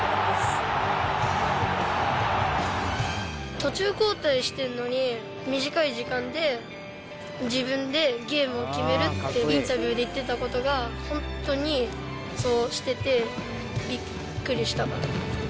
途中交代してんのに、短い時間で自分でゲームを決めるってインタビューで言ってたことが、本当にそうしてて、びっくりした。